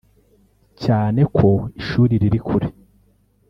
cyane ko ishuri riri kure